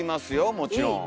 もちろん。